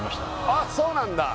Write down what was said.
あっそうなんだ！